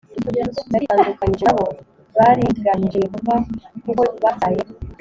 Yaritandukanyije na bo bariganyije yehova w kuko babyaye